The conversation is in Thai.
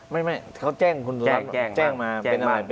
ไม่เขาแจ้งคุณรัฐแจ้งมา